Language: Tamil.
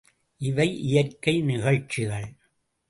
இவை இயற்கை நிகழ்ச்சிகள்.